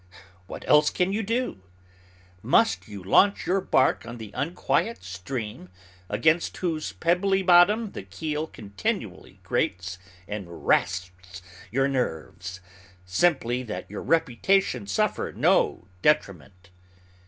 What else can you do? Must you launch your bark on the unquiet stream, against whose pebbly bottom the keel continually grates and rasps your nerves simply that your reputation suffer no detriment?